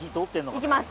いきます！